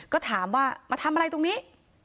ก็ถามว่ามาทำอะไรตรงนี้